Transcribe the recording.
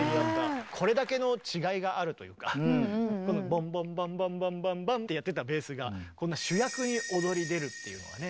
これだけの違いがあるというかこのボンボンバンバンバンバンバンってやってたベースがこんな主役に躍り出るっていうのはね